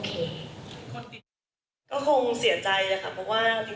ก็คงเสียใจค่ะเพราะว่า